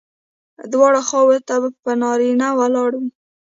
دواړو خواوو ته به نارینه ولاړ وي.